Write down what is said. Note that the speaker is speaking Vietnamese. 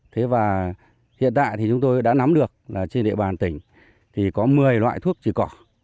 thế và hiện tại thì chúng tôi đã nắm được là trên địa bàn tỉnh thì có một mươi loại thuốc trừ cỏ